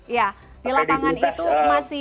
ya di lapangan itu masih